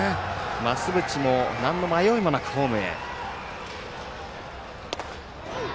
増渕もなんの迷いもなくホームへ。